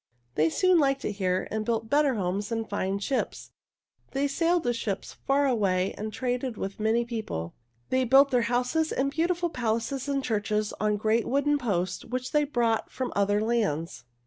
They soon liked it here and built better homes and fine ships. They sailed their ships far away and traded with many people. They built their houses and beautiful palaces and churches on great wooden posts which they brought from other lands.